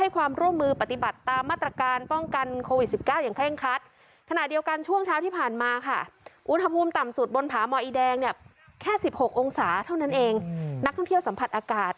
แค่สิบหกองศาเท่านั้นเองนักท่องเที่ยวสัมผัสอากาศ